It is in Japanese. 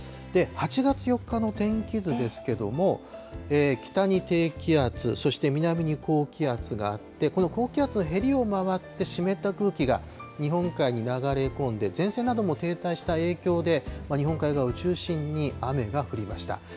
８月４日の天気図ですけれども、北に低気圧、そして南に高気圧があって、この高気圧の縁を回って、湿った空気が日本海に流れ込んで、前線なども停滞した影響で、日本海側を中心に雨が降りました。